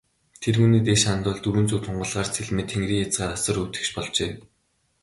Тэргүүнээ дээш хандвал, дөрвөн зүг тунгалгаар цэлмээд, тэнгэрийн хязгаар асар өв тэгш болжээ.